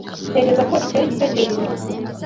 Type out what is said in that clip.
Ntekereza ko icyo ari igitekerezo cyubupfu.